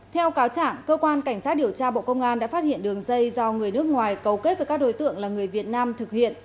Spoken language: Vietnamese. theo cáo trả cơ quan cảnh sát điều tra bộ công an đã phát hiện đường dây do người nước ngoài cầu kết với các đối tượng là người việt nam thực hiện